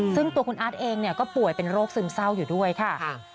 ซึ่งตัวคุณอาร์ตเองเนี่ยก็ป่วยเป็นโรคซึมเศร้าอยู่ด้วยค่ะ